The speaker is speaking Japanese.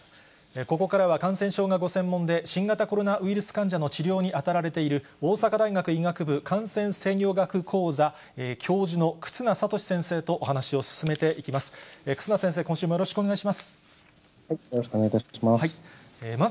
ここからは感染症がご専門で、新型コロナウイルス患者の治療に当たられている、大阪大学医学部感染制御学講座教授の忽那賢志先生とお話を進めていきます。